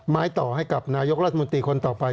ไม้ต่อให้กับนายกรัฐมนตรีคนต่อไป